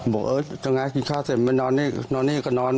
บอกเออตรงนี้กินข้าวเสร็จไม่นอนเนี่ยก็นอน